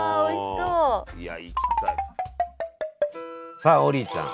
さあ王林ちゃん